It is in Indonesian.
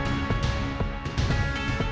kita harus berhenti